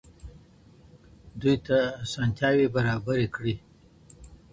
دوی ته اسانتياوې برابرې کړئ.